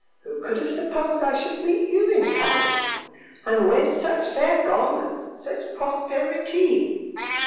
Who could have supposed I should meet you in Town? And whence such fair garments, such prosperi ty?